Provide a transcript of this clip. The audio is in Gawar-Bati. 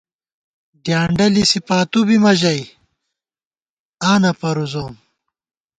ڈیانڈہ لِسی پاتُو بِمہ ژَئی آں نہ پَرُوزوم